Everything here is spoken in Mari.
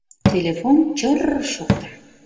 Телефон чыр-р-р шокта.